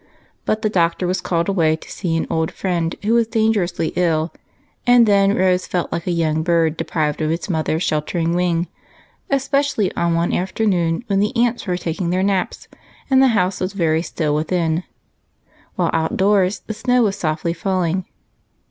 But the Doctor was called away to see an old friend who was dangerously ill, and then Rose felt like a young bird deprived of its mother's sheltering wing; especially on one afternoon when the aunts were taking their naps, and the house was very still within while snow fell softly without.